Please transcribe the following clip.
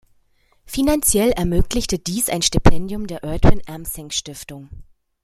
Finanziell ermöglichte dies ein Stipendium der Erdwin-Amsinck-Stiftung.